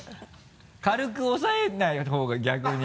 軽く押さえないほうが逆に。